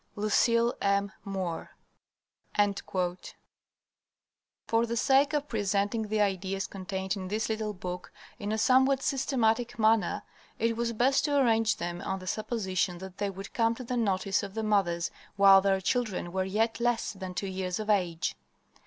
"LUCILE M. MOORE." For the sake of presenting the ideas contained in this little book in a somewhat systematic manner it was best to arrange them on the supposition that they would come to the notice of the mothers while their children were yet less than two years of age.